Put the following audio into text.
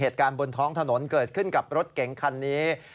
เหตุการณ์บนท้องถนนเกิดขึ้นกับรถเก๋งคันนี้